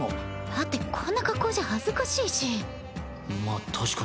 だってこんな格好じゃ恥ずかしいし。